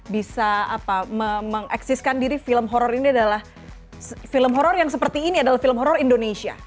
bisa mengeksiskan diri film horror ini adalah film horror yang seperti ini adalah film horror indonesia